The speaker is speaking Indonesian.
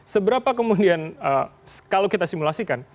seberapa kemudian kalau kita simulasikan